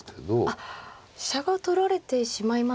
あっ飛車が取られてしまいますが。